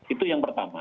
itu yang pertama